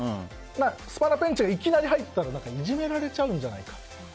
スパナペンチはいきなり入ったらいじめられちゃうんじゃないかって。